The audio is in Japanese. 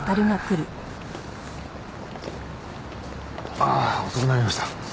ああ遅くなりました。